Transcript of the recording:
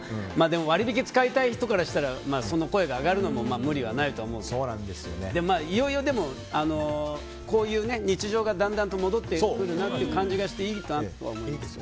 でも割引使いたい人からしたらその声が上がるのも無理はないと思いますけどいよいよ、でもこういう日常が戻ってくるなという感じがしていいなとは思います。